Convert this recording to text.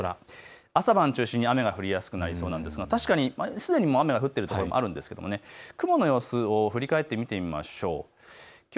朝晩中心に雨が降りやすくなりそうなんですが確かにすでに雨が降っている所もあるんですけれども雲の様子を振り返って見ていきましょう。